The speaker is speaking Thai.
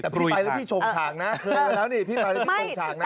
แต่พี่ไปแล้วพี่ชมฉากนะเคยมาแล้วนี่พี่มาแล้วพี่ชงฉากนะ